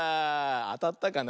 あたったかな？